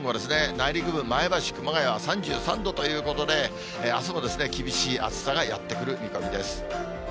内陸部、前橋、熊谷は３３度ということで、あすも厳しい暑さがやって来る見込みです。